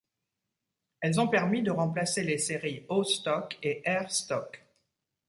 Elles ont permis de remplacer les séries O Stock et R Stock.